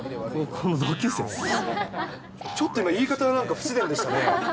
ちょっと今、言い方がなんか不自然でしたね。